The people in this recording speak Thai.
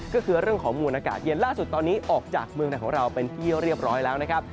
ก็คือเรื่องของมูลอากาศเย็นล่าสุดตอนนี้ออกจากเมืองไหนของเราเป็นที่เรียบร้อยแล้วนะครับ